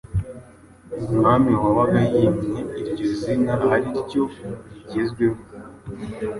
Umwami wabaga yimye iryo zina ariryo rigezweho,